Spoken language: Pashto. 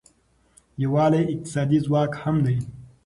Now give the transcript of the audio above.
یووالی اقتصادي ځواک هم دی.